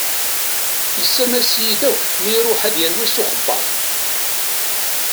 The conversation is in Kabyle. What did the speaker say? Yessames-iyi-d akk mi iṛuḥ ad yerwi s uxebbaḍ.